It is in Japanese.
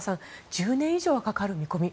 １０年以上はかかる見込み。